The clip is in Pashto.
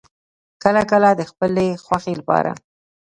کله کله د خپلې خوښې لپاره